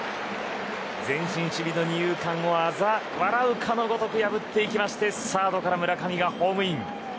前進守備の二遊間をあざ笑うかのごとく破っていってサードから村上がホームイン。